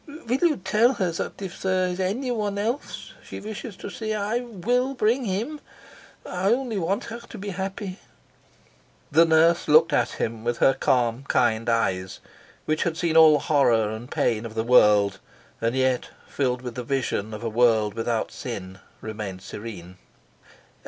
"Will you tell her that if there is anyone else she wishes to see I will bring him? I only want her to be happy." The nurse looked at him with her calm, kind eyes, which had seen all the horror and pain of the world, and yet, filled with the vision of a world without sin, remained serene.